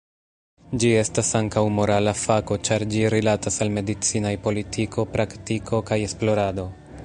Ĝi estas ankaŭ morala fako ĉar ĝi rilatas al medicinaj politiko, praktiko, kaj esplorado.